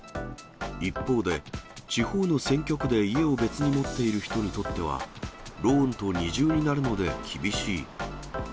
一方で、地方の選挙区で家を別に持っている人にとっては、ローンと二重になるので厳しい。